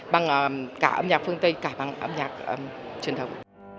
bằng cả âm nhạc phương tây cả bằng âm nhạc truyền thống